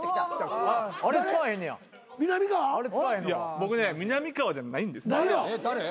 僕ねみなみかわじゃないんです。